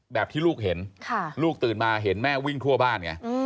แบบที่ลูกเห็นลูกตื่นมาเห็นแม่วิ่งทั่วบ้านไง